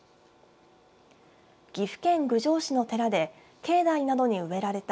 岐阜県郡上市の寺で境内などに植えられた